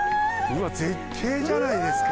うわっ絶景じゃないですか。